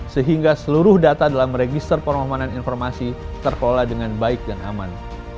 sehingga seluruh data dalam register permohonan informasi terkelola dengan baik dan aman